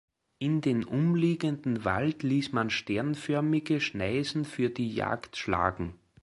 In den umliegenden Wald ließ man sternförmige Schneisen für die Jagd schlagen.